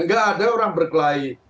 gak ada orang berkelahi